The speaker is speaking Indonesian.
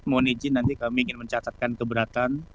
mohon izin nanti kami ingin mencatatkan keberatan